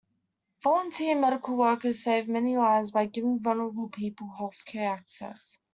Volunteer Medical workers save many lives by giving vulnerable people health-care access